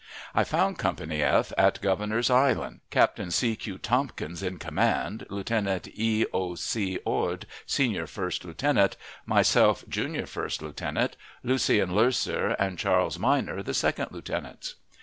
I found Company F at Governor's Island, Captain C. Q. Tompkins in command, Lieutenant E. O. C. Ord senior first lieutenant, myself junior first lieutenant, Lucien Loeser and Charles Minor the second lieutenants.